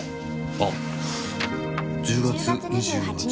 あ「１０月２８日」。